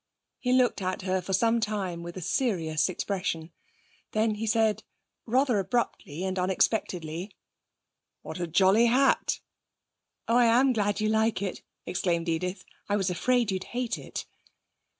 He looked at her for some time with a serious expression. Then he said, rather abruptly and unexpectedly: 'What a jolly hat!' 'Oh, I am glad you like it!' exclaimed Edith. 'I was afraid you'd hate it.'